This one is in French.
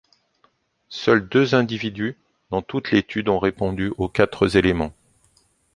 Seuls deux individus dans toute l’étude ont répondu aux quatre éléments.